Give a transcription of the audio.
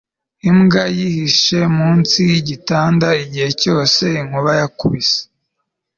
Imbwa yihishe munsi yigitanda igihe cyose inkuba yakubise